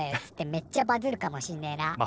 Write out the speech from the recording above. つってめっちゃバズるかもしんねえな。